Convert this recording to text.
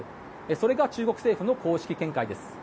それが中国政府の公式見解です。